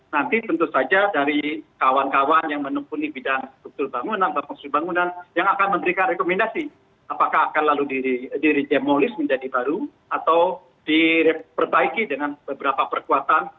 nanti tentu saja dari kawan kawan yang menempuni bidang struktur bangunan bangunan bangunan yang akan memberikan rekomendasi apakah akan lalu dirijemolis menjadi baru atau diperbaiki dengan beberapa perkuatan